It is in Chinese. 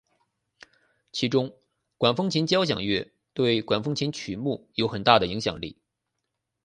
其中管风琴交响乐对管风琴曲目有很大的影响力。